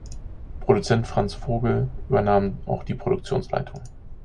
Produzent Franz Vogel übernahm auch die Produktionsleitung.